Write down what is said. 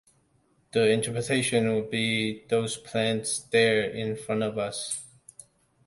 The interpretation would be "those plants there, in front of us".